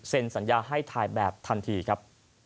สัญญาให้ถ่ายแบบทันทีครับ